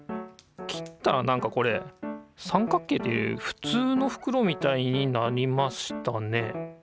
切ったらなんかこれ三角形っていうよりふつうのふくろみたいになりましたね。